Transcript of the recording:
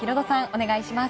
お願いします。